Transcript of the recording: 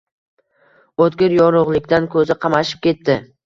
O‘tkir yorug‘likdan ko‘zi qamashib ketdi…